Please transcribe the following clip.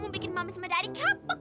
aku mau bikin mami sama dari kepek